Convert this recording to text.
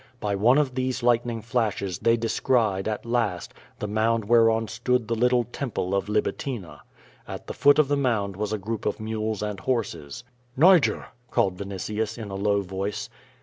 By one of these lightning flashes they descried, at last, the mound whereon stood the little Temple of Libitina. At the foot of the mound was a group of mules and horses. 'Niger!" called Vinitius, in a low voice.